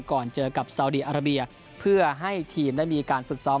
ก่อนเจอกับซาวดีอาราเบียเพื่อให้ทีมได้มีการฝึกซ้อม